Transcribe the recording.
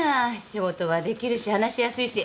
仕事はできるし話しやすいし。